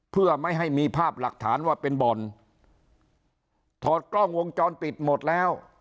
เพื่อไม่ให้มีภาพหลักฐานว่าเป็นบ่อนถอดกล้องวงจรปิดหมดแล้ว